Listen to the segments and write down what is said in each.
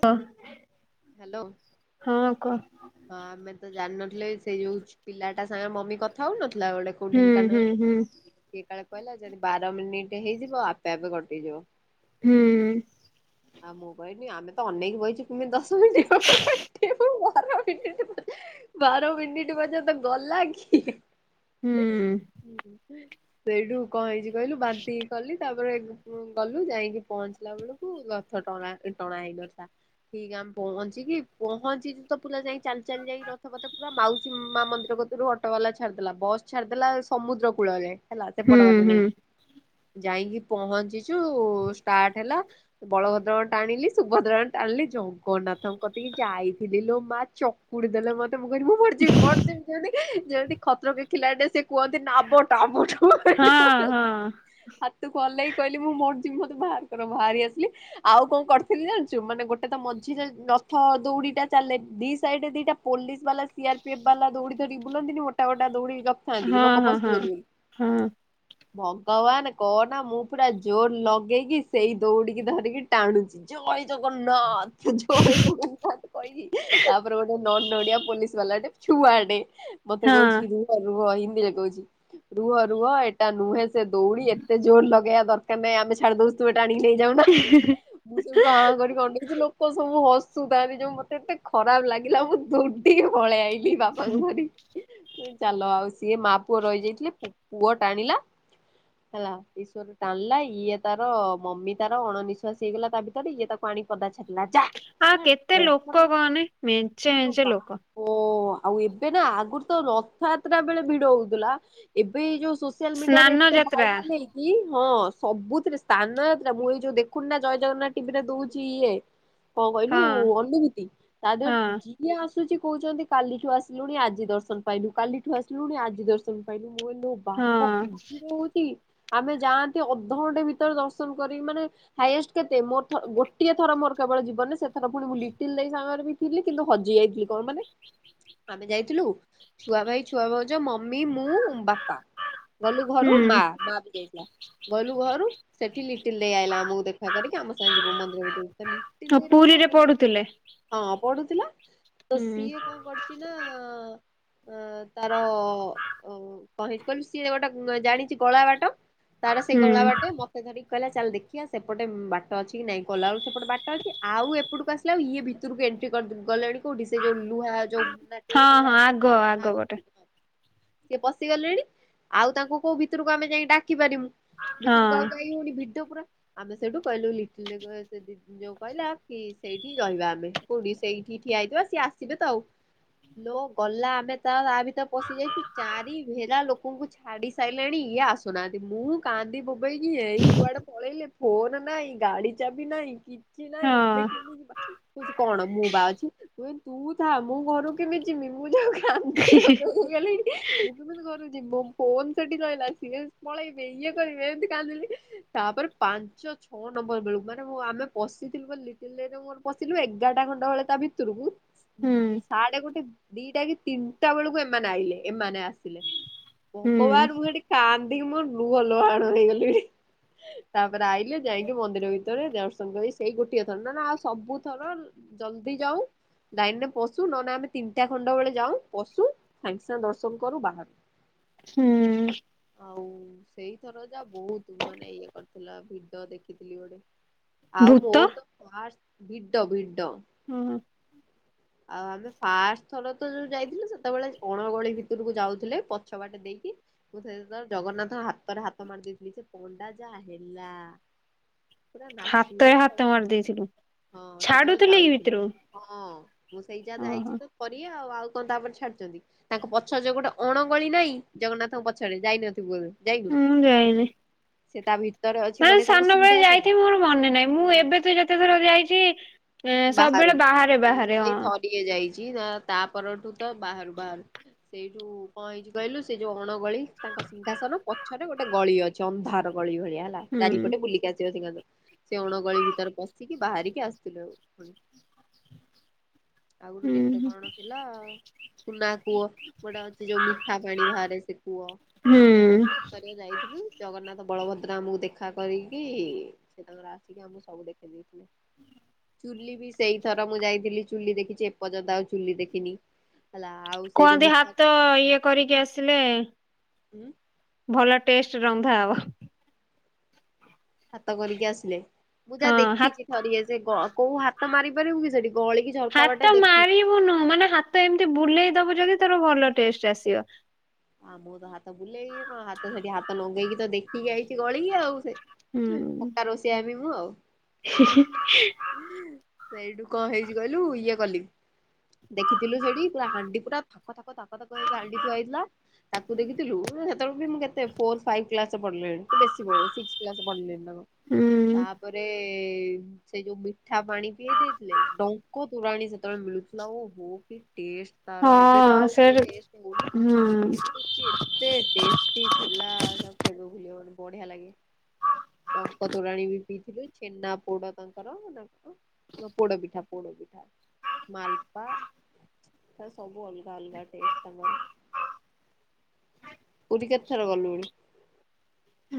ହଁ। ହ୍ୟାଲୋ। ହଁ କୁହ। ହଁ ଆମେ ତ ଜାଣିନଥିଲେ ସେଇ ଯୋଉ ପିଲାଟା ସାଙ୍ଗେ ମମି କଥା ହଉନଥିଲା ଗୋଟେ କୋଉ ଢେଙ୍କାନାଳ କିଏ କାଳେ କହିଲା ଯଦି ବାର ମିନିଟ ହେଇଯିବ ଆପେ ଆପେ କଟିଯିବ। ହୁଁ। ଆଉ ମୁଁ କହିବି ଆମେ ତ ଅନେଇକି ବହିଛୁ ତୁମେ ଦଶ ମିନିଟ୍ [unintelligible] [unintelligible] ବାର ମିନିଟ୍ ପର୍ଯ୍ୟନ୍ତ ଗଲା କି? ହୁଁ। ସେଇଠୁ କ ହେଇଛି କହିଲୁ ବାନ୍ତି କଲି ତାପରେ ଗଲୁ ଯାଇକି ପହଞ୍ଚିଲା ବେଳକୁ କୁ ରଥ ଟଣା ଟଣା ହେଇ ନଥିଲା ଠିକ ଆମେ ପହଞ୍ଚିକି ପହଞ୍ଚିଛୁ ତ ପୁୁର ଯାଇ ଚାଲି ଚାଲି ଯାଇି ରଥପଥ ପୁରା ମାଉସୀ ମା ମନ୍ଦିର କରୁ ଅଟୋ ବାଲା ଛାଡିଦଲା ବସ ଛାଡିଦେଲା ସମୁଦ୍ର କୂଳରେ ହେଲା ସେପଟ ବାଟେ ନେଇ ଯାଇକି ପହଞ୍ଚିଛୁ ଷ୍ଟାର୍ଟ ହେଲା। ବଳଭଦ୍ର ଟା ଆଣିଲି ସୁଭଦ୍ରା ଟା ଆଣିଲି ଜଗନ୍ନାଥଙ୍କ କତିକି ଯାଇଥିଲି ଲୋ ମା ଚ କୁଡି ଦେଲେ ମତେ ମୁଁ କହିଲି ମୁଁ ମରଯିବି [unintelligible] ସେ କୁହନ୍ତି ନାବ ହଁ [unintelligible] ହାତକୁ ଅନେଇକି କହିଲି ମୁଁ ମରି ଯିଵି ମତେ ବାହାର କର ମୁଁ ବାହାରି ଆସିଲି। ଆଉ କଣ କରିଥିଲି ଜାଣିଛୁ ମାନେ ଗୋଟେ ଏତ ମଝିରେ ରଥ ଦୌଡ଼ି ଟା ଚାଲେ ଦି ସାଇଡରେ ଦିଟା ପୋଲିସ ବାଲା ସିଆର ପିଏଫ ବାଲା ଦୌଡ଼ି ଧରିକି ବୁଲନ୍ତିନି ଗୋଟା ଗୋଟା ଦୌଡ଼ି। କ ହୁଁ ହୁଁ ହୁଁ ହୁଁ ହୁଁ ହୁଁ ହୁଁ ହଁ ରଖିଥାନ୍ତି କି ଲୋକ ହଁ ପଶିଯିବେ ହଁ ବୋଲି। ହଁ ହଁ ଭଗବାନ କହ ନା ମୁଁ ପୁରା ଜୋର୍ ଲଗେଇକି ସେଇ ଦୌଡିକି ଧରିକି ଟାଣୁଚି। ଜୟ ଜଗନ୍ନାଥ ଜୟ ଜଗନ୍ନାଥ କହିକି ତାପରେ ଗୋଟେ ଏନ ନଡ଼ିଆ ପୋଲିସ ବାଲାଟେ ଛୁଆଟେ ହଁ ମତେ ହଁ କହୁଛି ରୁହ ରୁହ ହିନ୍ଦୀରେ କହୁଛି ରୁହ ରୁହ ଏଟା ନୁହେଁ। ସେ ଦଉଡ଼ି ଏତେ ଜୋର୍ ଲଗେଇଆ ଦରକାର ନାହିଁ ଆମେ ଛାଡ଼ି ଦଉଛ ତୁମେ ଟାଣିକି ନେଇ ଯାଉନା ମୁଁ ସେଠୁ ଆଁ କରିକି ଅନ କିଛି ଲୋକ ସବୁ ହସୁଥାନ୍ତି ଯୋଉ ମତେ ଏତେ ଖରାପ ଲାଗିଲା ମୁଁ ଦୌଡିକି ପଳେଇ ଆଇ ବାପାଙ୍କୁ ଧରି ଚାଲ ଆଉ ସିଏ ମା ପୁଅ ରହିଯାଇଥିଲେ ପୁଅ ଟାଣିଲା। ହେଲା ଈଶ୍ୱର ଟାଣିଲା ଇଏ ତାର ମମି ତାର ଅଣ ନିିଶ୍ଵାସ ହେଇଗଲା ତା ଭିତରେଇଏ ତାର ପାଣି ପଦା ଛାଟିଲା ଆଉ କେତେ ଲୋକ କହନି ମେଞ୍ଚେ [unintelligible] ମେଞ୍ଚେ ଲୋକ ଓ ଆଉ ଏବେ ନା ଆଗରୁ ତ ରଥଯାତ୍ରା ବେଳେ ଭିଡ଼ ହଉଥିଲା ଏବେ ଏଇ ଯୋଉ ଶୋଷି ସୋସିଆଲ୍ ମିଡିଆରେ ସ୍ନାନ [unintelligible] ଯାତ୍ରା ଭଇରାଲ ହେଇଛି। କି ହଁ ସବୁଥିରେ ସ୍ଥାନ ଯାତ୍ରା ମୁଁ ଏଇ ଯୋଉ ଦେଖୁନି ନା ଜୟ ଜ କଣ କହିଲୁ ହଁ ଅନୁଭୂତି ତା ଦେହ ହଁ ଯିଏ ଆସୁଛି କହୁଛନ୍ତି କାଲିଠୁ ଆସିଲୁଣି ଆଜି ଦର୍ଶନ ପାଇଲୁ। କାଲିଠୁ ଆସିଲୁଣି ଆଜି ଦର୍ଶନ ପାଇଲୁ ମୁଁ କହିଲି ମୋ ବାପ ହଁ ଚିଡିବେ ଯଦି। ଆମେ ଯାଆନ୍ତି ଅଧଘଣ୍ଟା ଭିତରେ ଦର୍ଶନ କରିକି ମାନେ ହାଇଏଷ୍ଟ କେତେ ମୋର ଗୋଟିଏଥର ମୋର କେବଳ ଜୀବନ ସେ ଥର ପୁଣି ମୁଁ ଲିଟିଲ ଦେଇ ସାଙ୍ଗରେ ବି [unintelligible] କିନ୍ତୁ ହଜି ଯାଇଥିଲି କଣ ମାନେ ଆମେ ଯାଇଥିଲୁ ଛୁଆ ଭାଇ ଛୁଆ ଭାଉଜ ମମି ମୁଁ ବାପା ଗଲୁ ଘରୁ ହୁଁ ମା ମା ବି ଯାଇଥିଲା। ଗଲୁ ଘରୁ ସେଠି ଲିଟିଲ ଦେଇ ଆଇଲା ଆମକୁ ଦେଖା କରିକି ଆମ ସାଙ୍ଗେ ଯିବ ମନ୍ଦିର ଭିତରକୁ ତ ଲିଟିଲ ଦେରର ମୋ ପଢ଼ୁଥିଲେ। ହଁ ପଢୁଥିଲା ତ ସିଏ କଣ କରଛି ନା? ଅ ତାର କହି କୁଲ ସିଏ ଗୋଟେ ଜାଣିଛି କଳା ବାଟ। ତାର ସେଇ ହୁଁ ଗଳା ବାଟେ ମ ଧରିକି କହିଲା ଚାଲ ଦେଖିଆ ସେପଟେ ବାଟ ଅଛି କି ନାଇଁ ଗଲା ବେଳକୁ ସେପଟେ ବାଟ ଅଛି ଆଉ ଏ ପଟକୁ ଆସିଲା ଆଉ ଇଏ ଭିତରକୁ ଏଣ୍ଟ୍ରି କର ଗଲେଣି କୋଉଠି ସେ ଯୋଉ ଲୁହା ହଁ ହଁ [unintelligible] ଆଗ ଆଗ ପଟେ ଭିତରକୁ ସିଏ ପଶିଗଲେଣି ଆଉ ତାଙ୍କୁ କୋଉ ଭିତରକୁ ଆମେ ଯାଇକି ଡାକି ପାରିବୁ। ହଁ ଭିତରୁ କୁଜାଇ ହଉନି ଭିଡ ପୁରା ଆମେ ସେଇଠୁ କହିଲୁ ଲିଟିଲ [unintelligible] ଯୋଉ କହିଲା କି ସେଇଠି ରହିବା ଆମେ କୋଉଠି ସେଇଠି ଠିଆ ହେଇଥିବା ସିଏ ଆସିବେ ତ ଆଉ। ଲୋ ଗଲା [unintelligible] ପଶି ଯାଇଛି ଚାରି ଭେରା ଲୋକଙ୍କୁ ଛାଡି ସାଇଲାଣି ଇଏ ଆସୁନାହାନ୍ତି ମୁଁ କାନ୍ଦିିବୋବେଇକି ଏଇ କୁଆଡ଼େ ପଳେଇଲେ ଫୋନ ନାହିଁ ଗାଡ଼ି ଚାବି ନାହିଁ କି ଛିନାହିଁ ଆମେ ହଁ କେମିତି ବାଟ କହୁଛି କଣ ମୁଁ ବା ଅଛି ମୁଁ କହିଲି ତୁ ଥା ମୁଁ ଘରକୁ କେମି ଯିବି ମୁଁ ଯାଉଚି [unintelligible] କେମିତି ଘରକୁ ଯିବି ମୋ ଫୋନ ସେଠି ରହିଲା ସିଏ ପଳେଇବେ ଇଏ କରିବେ ଏମିତି କାନ୍ଦିଲି। ତାପରେ ପାଞ୍ଚ ଛ ହଁ ନମ୍ବର ବେଳକୁ ମାନେ ଆମେ ପଶିଥିଲୁ ବୋ ପଶିଲୁ ଏଗାରଟା ଖଣ୍ଡଟା ବଳେ ତା ଭିତରକୁ ହୁଁ ଶାଡ଼େ ଗୋଟେ ଦିଟା କି ତିନିଟା ବେଳକୁ ଏମାନେ ଆଇଲେ ଏମାନେ ଆସିଲେ। ହୁଁ ଭଗବାନ୍ ମୁଁ ହେଟି କାନ୍ଦିକି ମୁ ଲୁହ ଲୋହାଣ ହେଇଗଲିଣୀ। ତାପରେ ଆଇଲେ ଯାଇକି ମନ୍ଦିର ଭିତରେ ଦର୍ଶନ କରି ସେଇ ଗୋଟିଏ ଥର ନନେ ଆଉ ସବୁ ଥର ଜଲଦି ଯାଉଁ ଦାଇନ୍ ରେ ପଶୁ ନନେ ଆମେ ତିନିଟା ଖଣ୍ଡ ବେଳେ ଯାଉ ପଶୁ ସାଙ୍ଗେ ସାଙ୍ଗ୍ ଦର୍ଶନ କରୁ ବାହାରୁ। ହୁଁ। ଆଉ ସେଇଥର ଯା ବହୁତ ମାନେ ଇଏ କରିଥିଲା ଭିଡ ଦେଖିଥିଲି ଗୋଟେ। ଆଉ ଭୂତ ମୋର ତ ଫାର୍ଷ୍ଟ ଭିଡ ଭିଡ। ହୁଁ-ହୁଁ। ଆଉ ଆମେ ଫାଷ୍ଟ ଥର ତ ଯୋଉ ଯାଇ ସେତେବେଳେ ଅଣଗଳି ଭିତରକୁ ଯାଉଥିଲେ ପଛ ବାଟେ ଦେଇକି। ମୁଁ ସେ ତ ଜଗନ୍ନାଥଙ୍କ ହାତରେ ହାତ ମାରି ଦେଇଥିଲି ଯେ ପଣ୍ଡା ଯାହା ହେଲା। ପୁରା ହାତରେ ନାଚିଗଲା ଆଉ ହାତ ମାରି ଦେଇଥିଲୁ ହଁ ସେତେବେଳେ ଛାଡୁଥିଲେ କି ଯାଉଥିଲି ଭିତକୁ? ହଁ ମୁଁ ସେଇ ଯା ଯାଇଚି ତ ଥରିଏ ଆଉ ଆଉ କଣ ତାପରେ ଛାଡିଚନ୍ତି ତାଙ୍କ ପଛ ଯୋଉ ଗୋଟେ ଅଣଗଳି ନାଇଁ ଜଗନ୍ନାଥଙ୍କ ପଛରେ ଯାଇନଥିବୁ ବୋଧେ। ଯାଇନୁ? ମୁଁ ଯାଇନି। ସେ ତା ଭିତରେ ଅ ନା ସାନବେଳେ ଯାଇଥିବି ମୋର ମନେ ନାହିଁ ମୁଁ ହୁଁ ଏବେ ତ ଯେତେଥର ଯାଇଚି ଏଁ ସବୁବେଳେ ବାହାରେ ବାହାରେ ହଁ। ଟିକେ ଯାଇଚି ତ ତା ପରଠୁ ତ ବାହାରୁ ବାହାରୁ। ସେଇଠୁ କଣ ହେଇଚି କହିଲୁ ସେ ଯୋଉଁ ଅଣଗଳି ତାଙ୍କ ସିଂହାସନ ପଛରେ ଗୋଟେ ଗଳି ଅ ଚନ୍ଧାର ଗଳି ଭଳିଆ ତା ହୁଁ ଚାରିପଟେ ବୁଲିକି ଆସିବା ସିଂହାସନ ସେ ଅଣଗଳି ଭିତରେ ପଶିକି ବାହାରିକି ଆସିଥିଲେ ଆଉ। ଆଗରୁ କେମିତି ହୁଁ କଣ ଥିଲା ସୁନା କୁଅ ଗୋଟେ ଅଛି ଯୋଉ ମିଠା ପାଣି ବାହାରେ ସେ କୁଅ ଯାହଉ ହୁଁ ବୁଲି ଆଗକୁ ଯାଇଥିଲୁ ଜଗନ୍ନାଥ ବଳଭଦ୍ର ଆମକୁ ଦେଖା କରିକି ସେ - କିଆଁ ମୁଁ ଚୁଲି ବି ସେଇଥର ମୁଁ ଯାଇଥିଲି ଚୁଲି ଦେଖିଚି ଏପର୍ଯ୍ୟନ୍ତ ଆଉ ଚୁଲି ଦେଖିନି। ହେଲା ଆଉ ସେ ଯୋଉ କୁହନ୍ତି ମିଠା ହାତ ଇଏ କରିକି ଆସିଲେ [inaudible] ଭଲ ଟେଷ୍ଟ ରନ୍ଧା ହବ। ହାତ କରିକି ଆସିଲେ ମୁଁ ହଁ ଯାହା ହା ଦେଖିଚି ଥରିଏ ସେ କ କଉ ହାତ ମାରିପାରିବୁ କି ସେଠି ଗହଳି କି ହାତ ମାରିବୁନୁ ମାନେ ହାତ ଏମିତି ବୁଲେଇ ଦବୁ ଯଦି ତୋର ଭଲ ଟେଷ୍ଟ ଆସିବ। ହଁ ମୋ ତ ହାତ ବୁଲେଇ ହଁ ହାତ ସେଟି ହାତ ଲଗେଇ କି ତ ଦେଖ ପିକି ଆଇଚି ଗଳିକି ଆଉ ସେ ହୁଁ ପକ୍କା ରୋଷେଇଆ ହେମି ମୁଁ ଆଉ। [unintelligible] ସେଇଟୁ କଣ ହେଇଚି କହିଲୁ ଇଏ କଲି। ଦେଖିଥିଲୁ ସେଇଟି ପୁରା ହାଣ୍ଡି ପୁରା ଥାକ-ଥାକ-ଥାକ-ଥାକ ହେଇକି ହାଣ୍ଡି ଥୁଆହେଇଥିଲା। ତାକୁ ଦେଖିଥିଲୁ ସେତେବେଳେ ବି ମୁଁ କେତେ ଫୋର ଫାଇଭ କ୍ଲାସ୍ ପଢିଲିଣି କି ବେଶୀ ପ ସିକ୍ସ କ୍ଲାସ୍ ପଢିଲିଣି ତା ହୁଁ ତାପରେଏ ସେ ଯଉ ମିଠା ପାଣି ପିଇଛି ଦେଇଥିଲେ ଟଙ୍କ ତୋରାଣି ସେତେବେଳେ ମିଳୁଥିଲା ଓଃ କି ଟେଷ୍ଟ। ତାର ଏବେ ତ ଆଉ ସେ ଟେଷ୍ଟ ହଉନି। ହୁଁ। କିନ୍ତୁ ଏତେ ଟେଷ୍ଟି ଥିଲା ବଢିଆ ଲାଗେ। ଟଙ୍କ ତୋରାଣୀ [unintelligible] ପୋଡ ପିଠା। ମାଲପା ହେ ସବୁ ଅଲଗା ଅଲଗା ଟେଷ୍ଟ ତମର। ପୁରୀ କେତେଥର ଗଲୁଣି?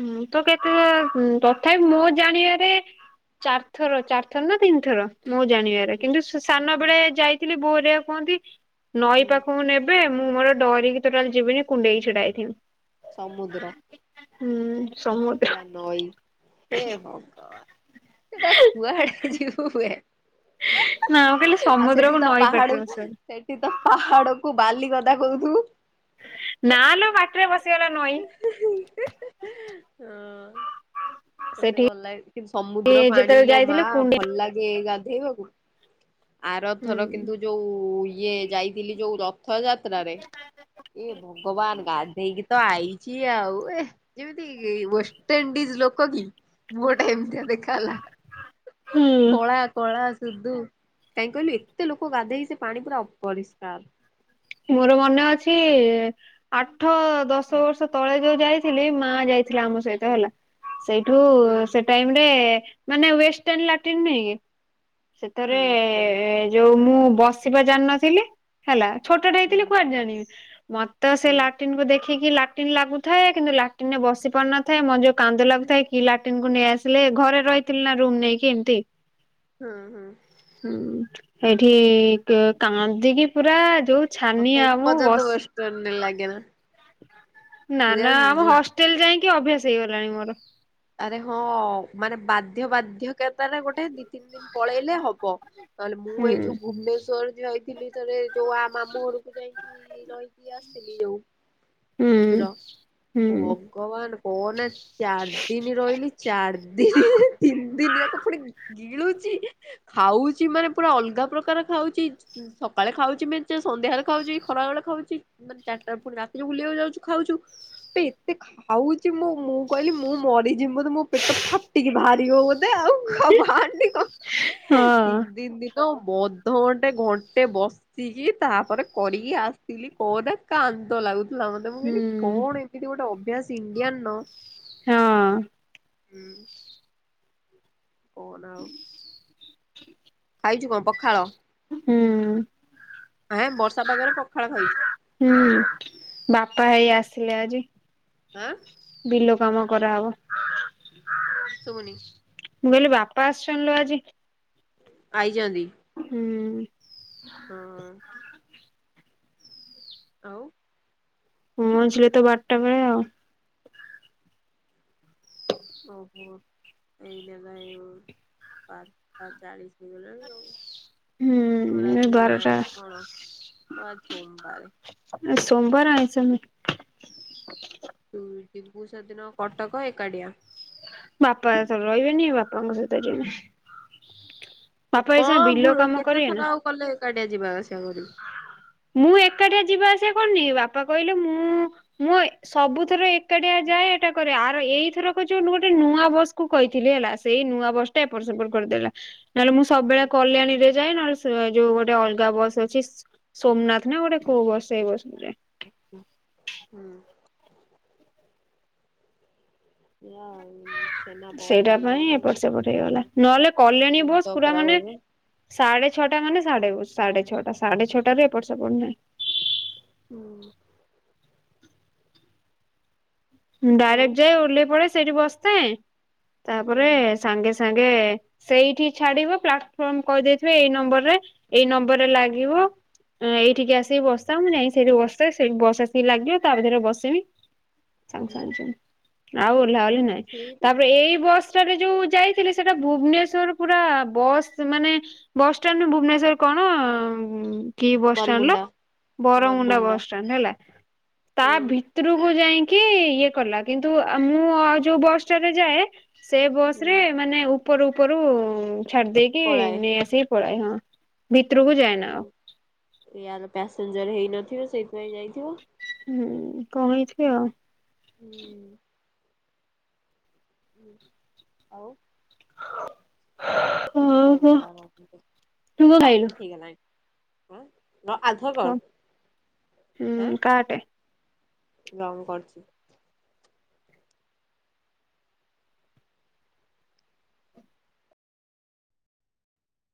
ହୁଁ ତ କେତେ ହୁଁ ତଥାପି ମୁଁ ଜାଣିବାରେ ଚାର୍ ଥର ଚାର୍ ଥର ନା ତିନିଥର ମୁ ଜାଣିବାରେ। ହୁଁ କିନ୍ତୁ ସାନ ହୁଁ ବେଳେ ଯାଇଥିଲି ବୋଉ ହେରିକା କୁହନ୍ତି ନଈ ହୁଁ ପାଖକୁ ନେ ଏବେ ମୁଁ ମୋର ଡରିକୀ ଟୋଟାଲି ଯିବିନି କୁଣ୍ଡେଇକି ଛିଡାହେଇ ଥିବି। ସମୁଦ୍ର ହୁଁ ସମୁଦ୍ର ହେଲା ନଈ ହେ ଭଗବାନ ସେଟା କୁଆଟେ ଯିବୁ ବେ ନା ମୁଁ କହିଲି ଆଉ ସେଠି ସମୁଦ୍ରକୁ ତ ନଈ ପାହାଡ [unintelligible] ସେଠି ତ ପାହାଡକୁୁ ବାଲି କଥା କହୁଥୁବୁ ନଁଲୋ ପାଟିରେ ପସି ହଁ। [inaudible] ମତେ ଭଲ ସେଠିକି ଲାଗେ କି ସମୁଦ୍ର ପାଣି ଯେତେବେଳେ ଲୋ ମା ଯାଇଥିଲେ କୁଣ୍ଡେଇ ଭଲ ଲାଗେ ଗାଧେଇବାକୁ। ଆର ହୁଁ। ଥର କିନ୍ତୁ ଯୋଉ ଇଏ ଯାଇଥିଲି ଯୋଉ ର ଥ ଯାତ୍ର ରେ ଏ ଭଗବାନ ଗାଧେଇକି ତ ଆଇଛି ଆଉ ଏ ଯେମିତି ୱଷ୍ଟଇଣ୍ଡିଜ ଲୋକ କି ମୁଁହ ଟା ଏମିତିଆ ଦେଖଗଲା ହୁଁ। କଳା କଳା ସୁଧୁ କାହିଁ କହିଲୁ ଏତେ ଲୋକ ଗାଧେଇ ସେ ପାଣି ପୁରା ଅପରିଷ୍କାର। ମୋର ମନେ ଅଛି ଆଠ ଦଶ ହୁଁ ବର୍ଷ ତଳେ ଯୋଉ ଯାଇଥିଲି ମା ଯାଇଥିଲା ଆମ ସହିତ ହୁଁ ହେଲା ସେଇଠୁ ହୁଁ ସେ ଟାଇମ୍ ରେ ମାନେ ୱେଷ୍ଟୱାର ଲାଟିନ ନାହିଁକି ସେଥିରେ ହୁଁ ହୁଁ ଯୋଉ ମୁଁ ବସିବା ଜାଣିନଥିଲି ହେଲା ଛୋଟଟା ହୁଁ ହେଇଥିଲି କୁଆଡେ ଜାଣିବି ମତେ ତ ସେ ହୁଁ ଲାଟିନ କୁ ଦେଖିକି ଲାଟିନ୍ ଲାଗୁଥାଏ କିନ୍ତୁ ଲାଟ୍ରିନ ରେ ବସି ପାରୁିନଥାଏ ମଞ୍ଜ କାନ୍ଦ ଲାଗୁଥାଏ। କି ଲାଟିନ କୁ ନେଇ ଆସିଲେ ଘରେ ରହିଥିଲି ନା ରୁମ ନେଇକି ଏମିତି ହଁ ହଁ ଏଇଠି କାନ୍ଦିକି ପୁରା ଯୋଉ ମତେ ଏ ଛାନିଆ ମୁଁ ପରଯନ୍ତ ବସି ୱେଷ୍ଟ କଲେ ଲାଗେନା। ନା ନା ଆମ ବୁଝ ହଷ୍ଟେଲ ଯାଇକି ଅଭ୍ୟାସ ହେଇଗଲାଣି ମୋର। ଆରେ ହଁ ମାନେ ବାଧ୍ୟ ବାଧ୍ୟ କେତାରେ ଗୋଟେ ଦ ତିନି ଦିନ ପଳେଇଲେ ହବ ନହେଲେ ମୁଁ ହୁଁ ଏଇ ଯୋଉ ଭୁବନେଶ୍ୱର୍ ରେ ରହିଥିଲି ରେ ଯୋଉ ଆ ମାମୁଁ ଘରକୁ ଯାଇକି ରହିକି ଆସିଥିଲି ଯୋଉ ହୁଁ ଜୁଜୁର ହୁଁ ଭଗବାନ କହନା ଚାର ଦିନ ରହିଲି ଚାରି ଦିନ ତିନି ଦିନ ଯାକ ପୁଣି ଗିଳୁଛି ଖାଉଛି ମାନେ ପୁରା ଅଲଗା ପ୍ରକାର ଖାଉଛି। ସକାଳେ ଖାଉଛି ମେଞ୍ଚେ ସନ୍ଧ୍ୟାରେ ଖାଉଛି ଖରା ବେଳେ ଖାଉଛି। ମାନେ ଚାରିଟା ପୁଣି ରାତିରେ ବୁଲିବାକୁ ଯାଉଛୁ ଖାଉଛୁ ବେ ଏତେ ଖାଉଛି ମୁଁ, ମୁଁ କହିଲି ମୁଁ ମରିଯିମି ବୋଧେ ମୋ ପେଟ ଫାଟିକି ବାହାରିବ ବୋଧେ ଆଉ କ ବାହାର କ ତିନ ହଁ ଦିନ ଦିନ ଅଧ ଘଣ୍ଟେ ଘଣ୍ଟେ ବସ ବସିକି ତାପରେ କରିକି ଆସିଥିଲି କୋଟା କାନ୍ଦ ଲାଗୁଥିଲା ମତେ। ତ ମୁଁ କହିଲି ହୁଁ କଣ ଏମିତି ଗୋଟେ ଅଭ୍ୟାସ ଇଣ୍ଡିଆନ୍ ହଁ ହୁଁ କହୁନ ଆଉ? ଖାଇଛୁ କଣ ପଖାଳ? ହୁଁ ଆ ବର୍ଷା ପାଗରେ ପଖାଳ ଖାଇଛୁ। ହୁଁ ବାପା ହେଇ ଆସିଲେ ଆଜି। ଆଁ ବିଲ କାମ କରାହେବ। ଶୁଭୁନି ମୁଁ କହିଲି ବାପା ଆସିଛନ୍ତି ଲୋ ଆଜି। ଆଇଚନ୍ତି ହୁଁ ହଁ ଆଉ ମଝିରେ ତ ବାରଟା ବେଳେ ଆଉ। ଓହୋ ଏଇନେ ବା ଏଇ ପାଞ୍ଚଟା ଚାଳିଶ ହୁ ନା ତମର ହୁଁ ଏ ଆଜି ବାରଟା [unintelligible] କଣ ଓ ଆଜି ସୋମବାରେ ସୋମବାର ଆଇଁସ ନାଇ। ତୁ ଯିବୁ ସେ ଦିନ କଟକ ଏକାଟିଆ? ବାପା ଏଥର ରହିବେନି ବାପାଙ୍କ ସହିତ ଯିବି। ବାପା ଏଇ ସାଙ୍ଗେ କଣ ବୁ ବିଲ କାମ କେତେ କରିବେ ନା ଥର ଆଉ ଗଲେ ଏକାଟିଆ ଯିବା ଆସିବା କରିବୁ। ମୁଁ ଏକାଟିଆ ଯିବା ଆସିବା କରୁନି ବାପା କହିଲେ ମୁଁ ମୋ ସବୁଥରେ ଏ ଏକାଟିଆ ଯାଏ ଏଟା କରେ ଆର ଏଇଥରକ ଯୋଉ ଗୋଟେ ନୂଆ ବସ୍ କୁ କହିଥିଲି ହେଲା ସେଇ ନୂଆ ବସ ଏପଟ ହୁଁ ସେପଟ କରିଦେଲା ନହେଲେ ମୁଁ ହୁଁ ସବୁବେଳେ କଲ୍ୟାଣୀରେ ଯାଏ ନହେଲେ ସେ ଏ ଯୋଉ ଗୋଟେ ଅଲଗା ବସ୍ ଅଛି ସୋମନାଥ ନା ଗୋଟେ କୋଉ ବସ୍ ସେଇ ବସ୍ ରେ। ହୁଁ। [unintelligible] ବସ୍ ସେଇଟା ବାଲା ପାଇଁ ଗୋଟେ ମୋ ଏପଟ୍ ସେପଟ୍ ହେଇଗଲା ମୁଣ୍ଡ ନହେଲେ କଲ୍ୟାଣୀ ବସ୍ ମୁଣ୍ଡ ପୁରା ଖରାପ ମାନେ କରିଦେଲା। ସାଢେ ଛଅଟା ମାନେ ସାଢେ ସାଢେ ଛଅଟା ସାଢେ ଛଅଟା ରେ ଏପଟ୍ ସେପଟ୍ ନାହିଁ। ହୁଁ। ଆଉ ଡାଇରେକ୍ଟ ଯାଏ ଓହ୍ଲେଇ ପଡେ ସେଇଠି ବସଥାଏ ହୁଁ ତାପରେ ସାଙ୍ଗେ ସାଙ୍ଗେ ସେଇଠି ଛାଡିବ ପ୍ଲାଟଫର୍ମ କହିଦେଇଥିବେ ଏଇ ନମ୍ବର ରେ ଏଇ ନମ୍ବର ରେ ଲାଗ ହୁଁ ଗିବ ଏଇଠିକି ଆସିକି ବସଥା ମୁଁ ଯାଇ ସେଇଠି ବସେ ସେଇଠି ବସ ଆସିକି ଲାଗିବ ତା ଭିତରେ ବସମି ସାଙ୍ଗେ ହୁଁ ସାଙ୍ଗ ସାଙ୍ଗ ଆଉ ଓହ୍ଲା ଓହ୍ଲି ନାହିଁ ସେଇଠି ତାପରେ ଏଇ ବସ୍ ଭିତରେ ଯୋଉ ଯାଇଥିଲି ସେଟା ଭୁବନେଶ୍ଵର ପୁରା ବସ୍ ମାନେ ବସଷ୍ଟାଣ୍ଡରୁ ଭୁବନେଶ୍ବର କଣ କି ବସଷ୍ଟାଣ୍ଡ ଲୋ ବରମୁଣ୍ଡା ବରମୁଣ୍ଡା ବସଷ୍ଟାଣ୍ଡ ହେଲା ତା ହୁଁ ଭିତରକୁ ଯାଇିଁ କି ଇଏ କଲା କିନ୍ତୁ ମୁଁ ଆଉ ଯୋଉ ବସ୍ ଟାରେ ଯାଏ ସେ ବସ ହୁଁ ରେ ମାନେ ଉପ ଉପରୁ ଉପରୁ ଛାଡି ଦେଇେକି ପଳାଏ। ନେଇ ଆସିକି ପଳାଏ ହଁ ଭିତରକୁ ଯାଏନା ଆଉ। ଏୟାର ପ୍ୟାସେଞ୍ଜର ହେଇନଥିବ ସେଇଥିପାଇଁ ଯାଇଥିବ। ହୁଁ କଣ ହେଇଥିବି ଆଉ। ହୁଁ। ହଁ ଆଉ। କେତେ ଓହୋ। ଟାଇମ ଲାଗିବ ତୁ କଣ ଓଃ ଖାଇଲୁ ହେଇଗଲାନି। କହ [unintelligible] କାଟେ। ର ମୁ କରୁଚି।